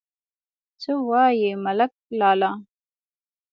_څه وايې، ملک لالا!